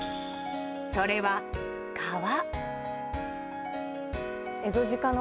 それは、革。